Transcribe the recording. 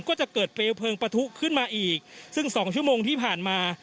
ก็จะเกิดเปลวเพลิงปะทุขึ้นมาอีกซึ่งสองชั่วโมงที่ผ่านมา